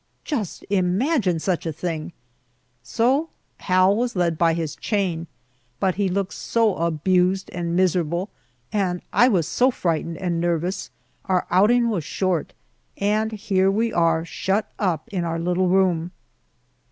Just imagine such a thing! So Hal was led by his chain, but he looked so abused and miserable, and I was so frightened and nervous, our outing was short, and here we are shut up in our little room.